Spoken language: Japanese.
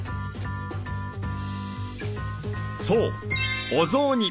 そう「お雑煮」。